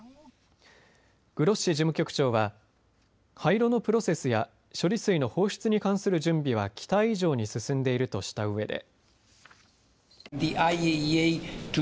グロッシ事務局長は廃炉のプロセスや処理水の放出に関する準備は期待以上に進んでいるとしたうえで。